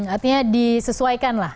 artinya disesuaikan lah